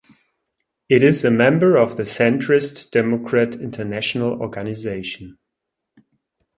It is a member of the Centrist Democrat International organization.